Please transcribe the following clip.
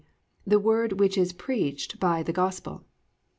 the Word which is preached by "the Gospel."